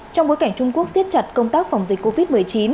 trong bối cảnh trung quốc siết chặt công tác phòng dịch covid một mươi chín